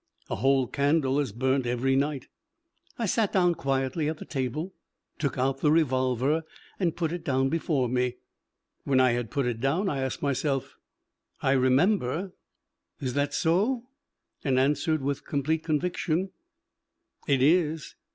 A whole candle is burnt every night. I sat down quietly at the table, took out the revolver and put it down before me. When I had put it down I asked myself, I remember, "Is that so?" and answered with complete conviction, "It is."